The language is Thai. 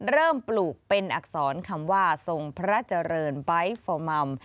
ปลูกเป็นอักษรคำว่าทรงพระเจริญไบท์ฟอร์มัม